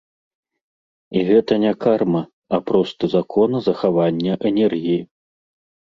І гэта не карма, а просты закон захавання энергіі.